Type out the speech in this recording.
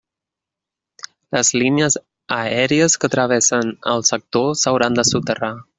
Les línies aèries que travessen el sector s'hauran de soterrar.